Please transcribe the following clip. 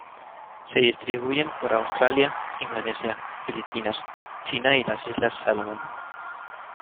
Se distribuyen por Australia, Indonesia, Filipinas, China y las islas Salomon.